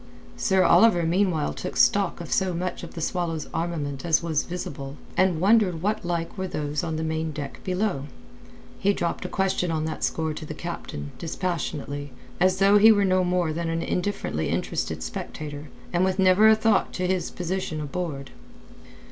Sir Oliver meanwhile took stock of so much of the Swallow's armament as was visible and wondered what like were those on the main deck below. He dropped a question on that score to the captain, dispassionately, as though he were no more than an indifferently interested spectator, and with never a thought to his position aboard.